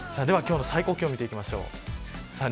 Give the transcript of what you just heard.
では今日の最高気温見ていきましょう。